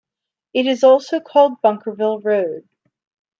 It is also called Bunkerville Road.